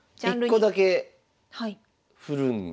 １個だけ振るんや。